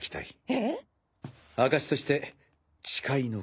えっ⁉